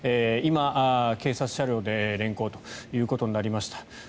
今、警察車両で連行ということになりました。